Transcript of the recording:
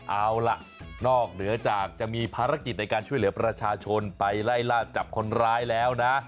เอาล่ะนอกเหนือจากจะมีภารกิจในการช่วยเหลือประชาชนไปไล่ล่าจับคนร้ายแล้วนะ